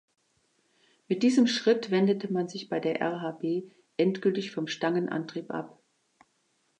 Mit diesem Schritt wendete man sich bei der RhB endgültig vom Stangenantrieb ab.